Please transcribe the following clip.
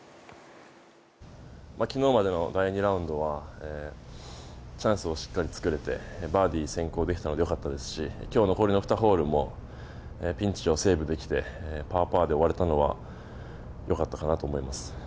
昨日は第２ラウンドはチャンスをしっかり作れてバーディー先行できたのでよかったですし、今日の残り２ホールもピンチをセーブできて、パー、パーで終われたのは良かったと思います。